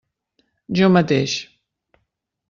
Jo mateix.